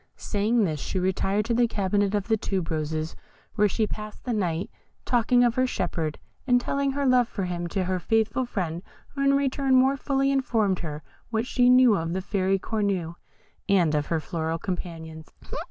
Saying this, she retired to the cabinet of the tube roses, where she passed the night talking of her shepherd, and telling her love for him to her faithful friend, who in return more fully informed her what she knew of the Fairy Cornue and of her floral companions.